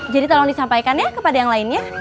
jadi tolong disampaikan ya kepada yang lainnya